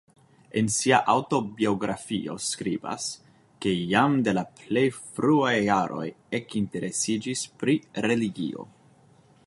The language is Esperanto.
En sia aŭtobiografio skribas, ke jam de la plej fruaj jaroj ekinteresiĝis pri religio.